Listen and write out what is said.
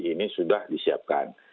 ini sudah disiapkan